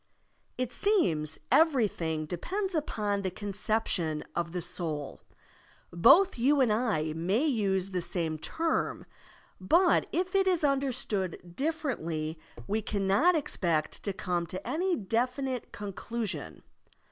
It seems, everything depends upon the con ception of the soul. Both you and I may use the same term, but if it is tmderstood differently we cannot expect to come to any definite conclu sion.